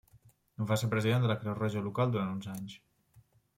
Va ser president de la Creu Roja local durant uns anys.